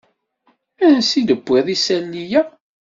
Ansi i d-tewwiḍ isalli-ya?